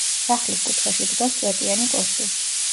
სახლის კუთხეში დგას წვეტიანი კოშკი.